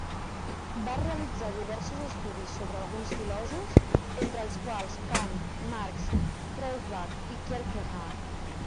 Va realitzar diversos estudis sobre alguns filòsofs, entre els quals Kant, Marx, Feuerbach o Kierkegaard.